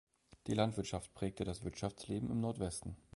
Die Landwirtschaft prägte das Wirtschaftsleben im Nordwesten.